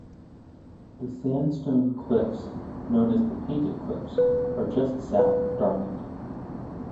The sandstone cliffs known as the Painted Cliffs are just south of Darlington.